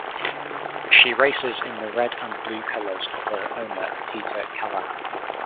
She races in the red and blue colors of her owner Peter Callahan.